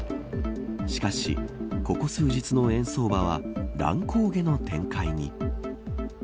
しかし、ここ数日の円相場は乱高下の展開に。